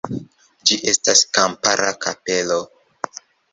Ĝi estas kampara kapelo.